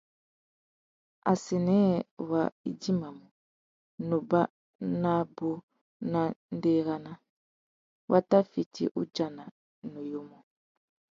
Assênē wá idjimamú, nubá nabú na ndérana, wa tà fiti udjama nuyumu.